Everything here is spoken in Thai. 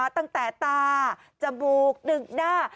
ตั้งแต่ตาจมูกดึกหน้า